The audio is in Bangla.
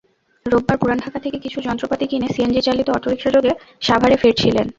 রোববার তাঁরা পুরান ঢাকা থেকে কিছু যন্ত্রপাতি কিনে সিএনজিচালিত অটোরিকশাযোগে সাভারে ফিরছিলেন।